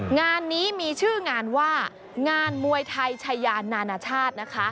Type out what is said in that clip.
งานนี้มีชื่องานว่างานมวยไทยชายานานาชาตินะคะ